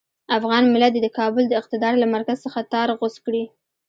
افغان ملت دې د کابل د اقتدار له مرکز څخه تار غوڅ کړي.